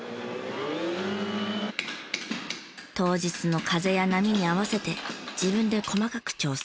当日の風や波に合わせて自分で細かく調整。